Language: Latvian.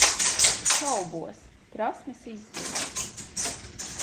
Šaubos. Prasmes izzūd.